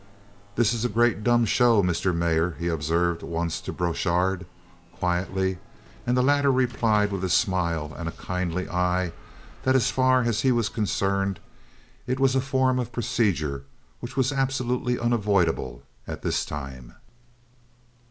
"This is a great dumb show, Mr. Mayor," he observed once to Borchardt, quietly, and the latter replied, with a smile and a kindly eye, that as far as he was concerned, it was a form of procedure which was absolutely unavoidable at this time.